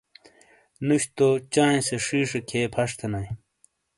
نُش تو چائیں سے شیشے کھئیے پھش تھینائیے۔